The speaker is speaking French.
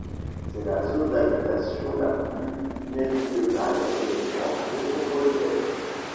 C'est la zone d'habitation la plus méridionale de France métropolitaine.